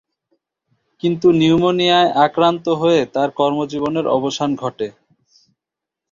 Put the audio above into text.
কিন্তু নিউমোনিয়ায় আক্রান্ত হয়ে তার কর্মজীবনের অবসান ঘটে।